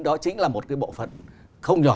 đó chính là một cái bộ phận không nhỏ